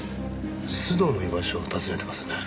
須藤の居場所を尋ねてますね。